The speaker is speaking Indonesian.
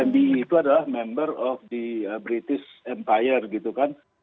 mbe itu adalah member of the british empire gitu kan